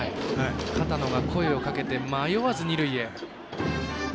片野が声をかけて迷わず二塁へ。